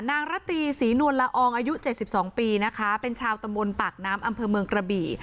ระตีศรีนวลละอองอายุ๗๒ปีนะคะเป็นชาวตำบลปากน้ำอำเภอเมืองกระบี่